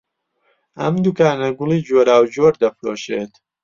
ئەم دوکانە گوڵی جۆراوجۆر دەفرۆشێت.